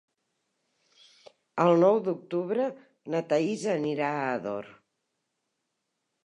El nou d'octubre na Thaís anirà a Ador.